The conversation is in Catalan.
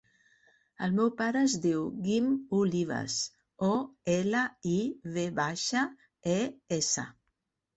El meu pare es diu Guim Olives: o, ela, i, ve baixa, e, essa.